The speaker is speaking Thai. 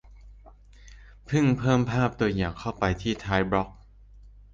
เพิ่งเพิ่มภาพตัวอย่างเข้าไปที่ท้ายบล็อก